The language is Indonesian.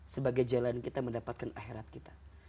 sebagai jalan kita mendapatkan akhirat kita